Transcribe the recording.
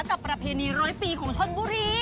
ประเพณีร้อยปีของชนบุรี